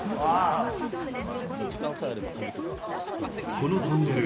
このトンネル